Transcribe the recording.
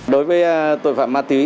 đối với tội phạm ma túy